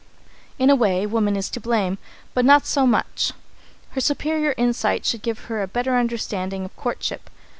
In a way, woman is to blame, but not so much. Her superior insight should give her a better understanding of courtship.